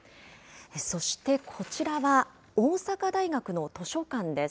そしてこちらは大阪大学の図書館です。